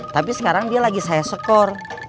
tapi sekarang dia lagi saya skor